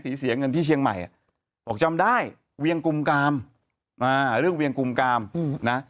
เสียเงินที่เชียงใหม่บอกจำได้เวียงกุมกามเรื่องเวียงกุมกามนะ